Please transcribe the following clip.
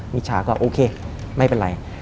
มิจฉาก็โอเคไม่เป็นไร